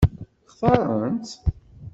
Xtaṛent-tt?